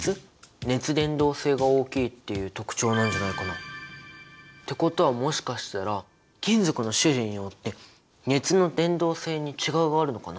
「熱伝導性が大きい」っていう特徴なんじゃないかな？ってことはもしかしたら金属の種類によって熱の伝導性に違いがあるのかな？